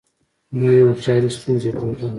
نوې هوښیاري ستونزې حلوي